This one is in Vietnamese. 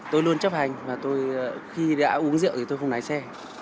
tôi luôn chấp hành và tôi khi đã uống rượu thì tôi không lái xe